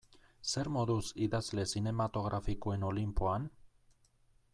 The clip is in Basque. Zer moduz idazle zinematografikoen olinpoan?